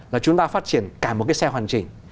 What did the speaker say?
là chúng ta phát triển cả một cái xe hoàn chỉnh